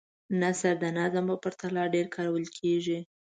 نثر د نظم په پرتله ډېر کارول کیږي.